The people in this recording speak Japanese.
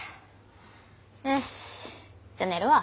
よしじゃ寝るわ。